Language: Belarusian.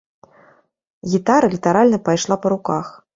Гітара літаральна пайшла па руках.